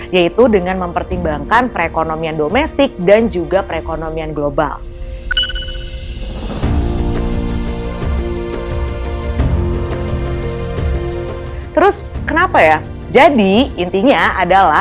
yaitu dengan mempertimbangkan perekonomian domestik dan juga perekonomian global